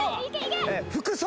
服装。